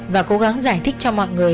và cố gắng giải thích cho mọi người